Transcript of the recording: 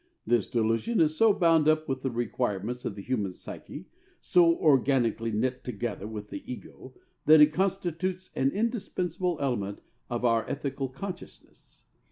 This delusion is so bound up with the requirements of the human psyche, so organically knit together with the ego, that it constitutes an indispensable element of our ethical consciousness.